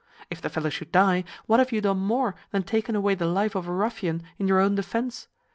If the fellow should die, what have you done more than taken away the life of a ruffian in your own defence?